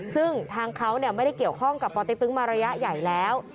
ซึ่งทางเขาไม่ได้เกี่ยวข้องกับปติ๊กตึ๊งมาระยะใหญ่แล้ว